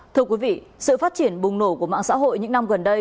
thưa quý vị sự phát triển bùng nổ của mạng xã hội những năm gần đây